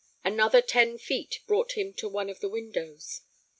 Another ten feet brought him to one of the windows.